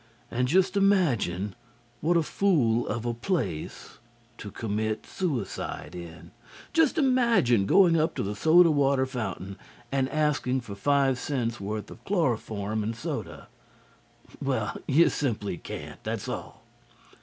And just imagine what a fool of a place to commit suicide in! Just imagine going up to the soda water fountain and asking for five cents' worth of chloroform and soda! Well, you simply can't, that's all.